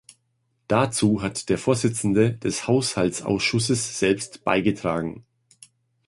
Dazu hat der Vorsitzende des Haushaltsausschusses selbst beigetragen.